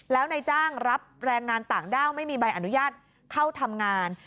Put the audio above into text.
แล้วนายจ้างรับแรงงานต่างด้าวไม่มีใบอนุญาตเข้าทำงาน